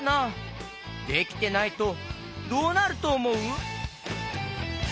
できてないとどうなるとおもう？